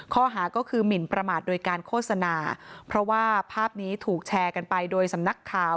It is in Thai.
ข้อหาก็คือหมินประมาทโดยการโฆษณาเพราะว่าภาพนี้ถูกแชร์กันไปโดยสำนักข่าว